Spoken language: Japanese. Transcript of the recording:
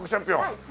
はい。